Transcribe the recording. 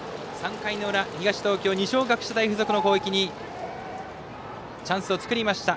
３回の裏、東東京二松学舎大付属の攻撃にチャンスを作りました。